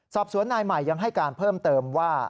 สอบสวนนายใหม่ยังให้การเพิ่มเติมว่า